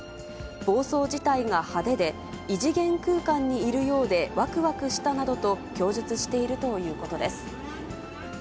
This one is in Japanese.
暴走自体が派手で、異次元空間にいるようでわくわくしたなどと供述しているということです。